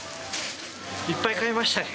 いっぱい買いましたね。